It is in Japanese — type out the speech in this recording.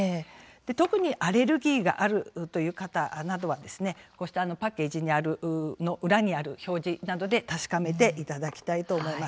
特にアレルギーがあるという方などはこうしたパッケージの裏にある表示などで確かめていただきたいと思います。